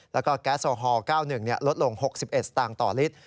แล้วก็แก๊สโอฮอล๙๑ลดลง๖๑สตางค์ต่อลิตร